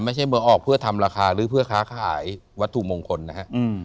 ไม่ใช่เมืองออกเพื่อทำราคาหรือเพื่อค้าขายวัตถุมงคลนะฮะ